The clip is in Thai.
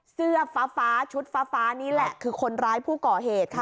เสื้อฟ้าชุดฟ้านี่แหละคือคนร้ายผู้ก่อเหตุค่ะ